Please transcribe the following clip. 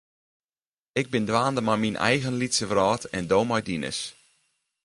Ik bin dwaande mei myn eigen lytse wrâld en do mei dines.